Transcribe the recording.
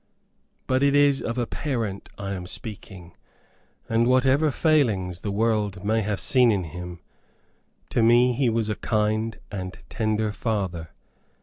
But it is of a parent I am speaking, and, whatever failings the world may have seen in him, to me he was a kind and tender father.